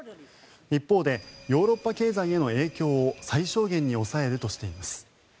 一方でヨーロッパ経済への影響を最小限に抑えるとしています。